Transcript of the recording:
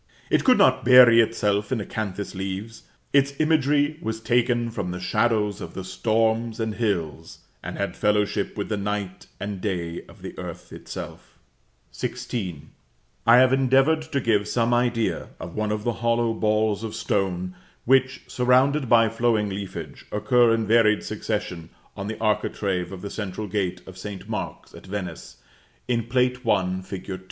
It could not bury itself in acanthus leaves. Its imagery was taken from the shadows of the storms and hills, and had fellowship with the night and day of the earth itself. [I] Literature of the Fine Arts. Essay on Bas relief. XVI. I have endeavored to give some idea of one of the hollow balls of stone which, surrounded by flowing leafage, occur in varied succession on the architrave of the central gate of St. Mark's at Venice, in Plate I. fig.